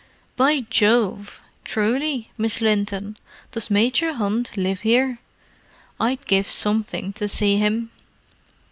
"By Jove! Truly, Miss Linton?—does Major Hunt live here? I'd give something to see him."